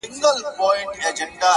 باران دي وي سیلۍ دي نه وي!!